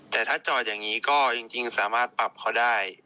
แต่ถ้าจอดอย่างนี้ก็จริงสามารถปรับเขาได้